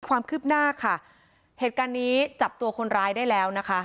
ความคืบหน้าค่ะเหตุการณ์นี้จับตัวคนร้ายได้แล้วนะคะ